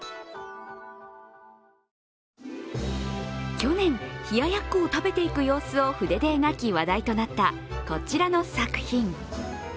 去年、冷ややっこを食べていく様子を筆で描き話題となったこちらの作品。